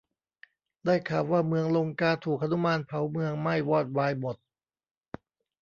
ได้ข่าวว่าเมืองลงกาถูกหนุมานเผาเมืองไหม้วอดวายหมด